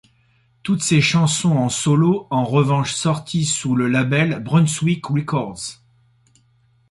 Toutes ses chansons en solo en revanche sorties sous le label Brunswick Records.